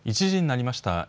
１時になりました。